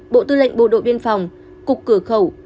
bộ tư lệnh bộ đội biên phòng cục cửa khẩu